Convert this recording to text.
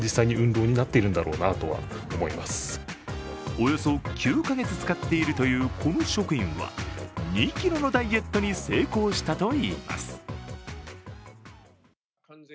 およそ９か月使っているというこの職員は２ｋｇのダイエットに成功したといいます。